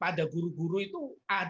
pada guru guru itu